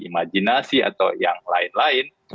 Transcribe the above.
imajinasi atau yang lain lain